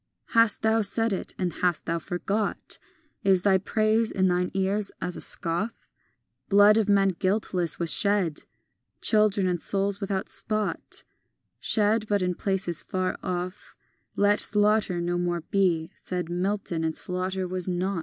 VII Hast thou said it, and hast thou forgot? Is thy praise in thine ears as a scoff? Blood of men guiltless was shed, Children, and souls without spot, Shed, but in places far off; Let slaughter no more be, said Milton; and slaughter was not.